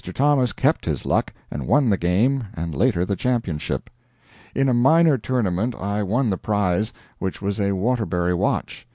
Thomas kept his luck, and won the game, and later the championship. In a minor tournament I won the prize, which was a Waterbury watch.